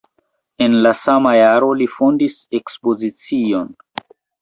En la sama jaro li fondis ekspozicion.